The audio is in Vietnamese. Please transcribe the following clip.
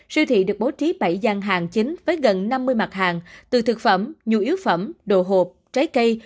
siêu thị được bố trí bảy gian hàng chính với gần năm mươi mặt hàng từ thực phẩm nhu yếu phẩm đồ hộp trái cây